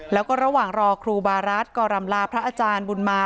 แล้วก็ระหว่างรอครูบารัฐก็รำลาพระอาจารย์บุญมา